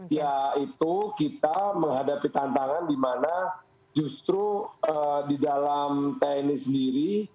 ya itu kita menghadapi tantangan di mana justru di dalam tni sendiri